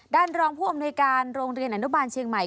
รองผู้อำนวยการโรงเรียนอนุบาลเชียงใหม่